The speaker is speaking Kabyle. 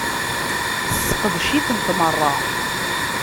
Sseqdec-itent merra!